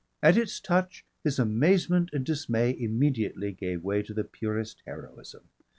At its touch his amazement and dismay immediately gave way to the purest heroism.